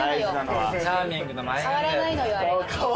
変わらないのよあれが。